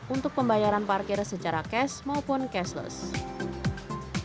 untuk pembayaran parkir secara cash maupun cashless